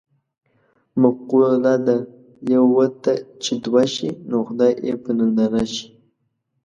مقوله ده: یوه ته چې دوه شي نو خدای یې په ننداره شي.